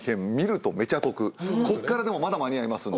こっからでもまだ間に合いますんで。